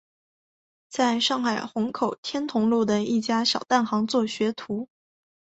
在上海虹口天潼路的一家小蛋行做学徒。